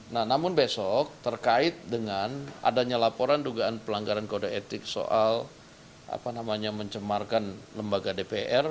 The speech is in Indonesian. nah namun besok terkait dengan adanya laporan dugaan pelanggaran kode etik soal apa namanya mencemarkan lembaga dpr